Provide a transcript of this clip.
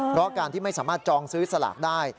เพราะการที่ไม่สามารถจองซื้อสลากได้